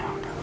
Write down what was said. aku ga tau